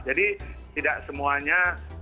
jadi tidak semuanya